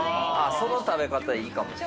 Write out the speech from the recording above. その食べ方いいかもしれない。